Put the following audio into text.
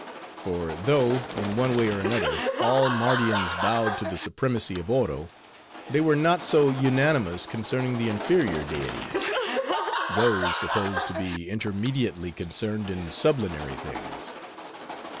For though, in one way or other, all Mardians bowed to the supremacy of Oro, they were not so unanimous concerning the inferior deities; those supposed to be intermediately concerned in sublunary things.